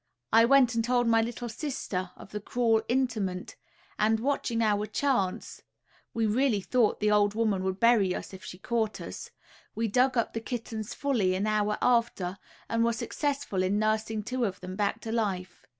I went and told my little sister of the cruel interment; and, watching our chance we really thought the old woman would bury us if she caught us we dug up the kittens fully an hour after, and were successful in nursing two of them back to life.